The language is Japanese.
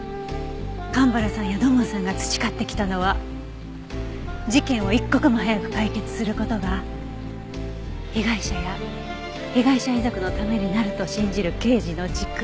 蒲原さんや土門さんが培ってきたのは事件を一刻も早く解決する事が被害者や被害者遺族のためになると信じる刑事の軸。